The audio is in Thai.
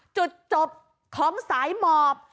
จุดจบของสายหมอบ